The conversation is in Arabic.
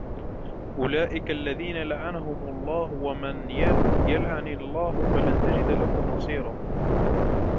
أولئك الذين لعنهم الله ومن يلعن الله فلن تجد له نصيرا